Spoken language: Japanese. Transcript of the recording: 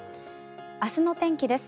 明日の天気です。